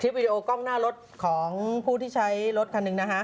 คลิปวีดีโอกล้องหน้ารถของผู้ที่ใช้รถคันหนึ่ง